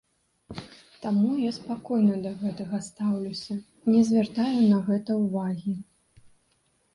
Таму я спакойна да гэтага стаўлюся, не звяртаю на гэта ўвагі.